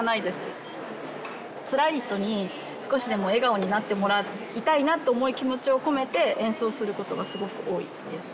つらい人に少しでも笑顔になってもらいたいなと思う気持ちを込めて演奏することがすごく多いです。